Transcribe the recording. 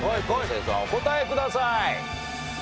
生さんお答えください。